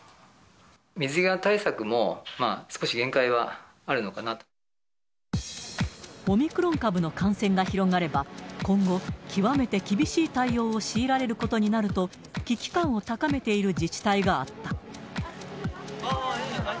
水際対策も、少し限界はあるのかオミクロン株の感染が広がれば、今後、極めて厳しい対応を強いられることになると、危機感を高めている自治体があった。